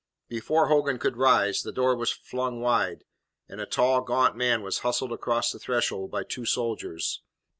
Before Hogan could rise, the door was flung wide, and a tall, gaunt man was hustled across the threshold by two soldiers.